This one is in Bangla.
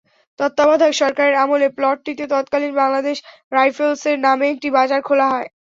তত্ত্বাবধায়ক সরকারের আমলে প্লটটিতে তৎকালীন বাংলাদেশ রাইফেলসের নামে একটি বাজার খোলা হয়।